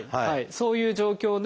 そういう状況で。